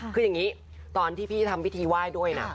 คืออย่างนี้ตอนที่พี่ทำพิธีไหว้ด้วยนะ